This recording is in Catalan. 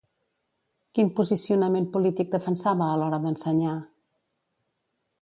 Quin posicionament polític defensava a l'hora d'ensenyar?